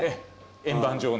円盤状の。